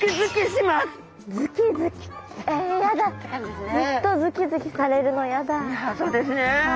いやそうですね。